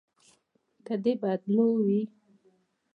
که د بدلو وي.